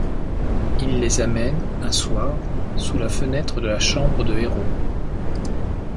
Il les amène, un soir, sous la fenêtre de la chambre de Héro.